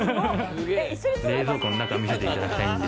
冷蔵庫の中見せていただきたいんですけど。